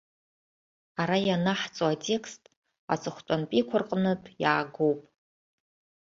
Ара ианаҳҵо атекст аҵыхәтәантәиқәа рҟнытә иаагоуп.